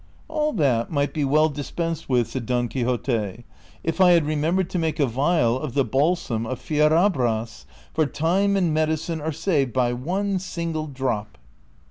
" All that might be well dispensed with," said Don Quixote, " if I had remembered to make a vial of the balsam of Fiera bras,^ for time and medicine are saved by one single drop."